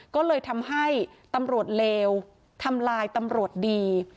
ก็เลยทำให้ตำรวจเลวทำลายตำรวจดี